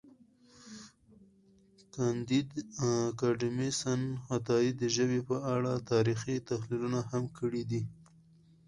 کانديد اکاډميسن عطایي د ژبې په اړه تاریخي تحلیلونه هم کړي دي.